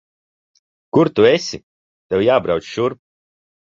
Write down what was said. Kur tu esi? Tev jābrauc šurp.